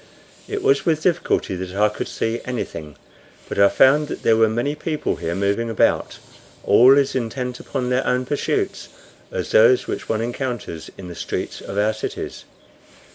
It was with difficulty that I could see anything, but I found that there were many people here moving about, all as intent upon their own pursuits as those which one encounters in the streets of our cities.